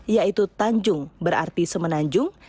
yaitu tanjung berarti semenanjung